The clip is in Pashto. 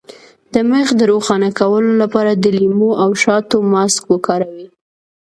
د مخ د روښانه کولو لپاره د لیمو او شاتو ماسک وکاروئ